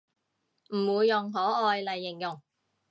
唔會用可愛嚟形容